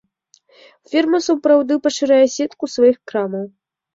Фірма сапраўды пашырае сетку сваіх крамаў.